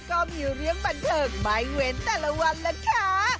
ก็มีเรื่องบันเทิงไม่เว้นแต่ละวันล่ะค่ะ